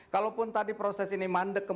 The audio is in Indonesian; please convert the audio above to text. kalaupun tadi proses ini mandek